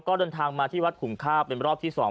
ก็เดินทางมาที่วัดขุมข้าวเป็นรอบที่๒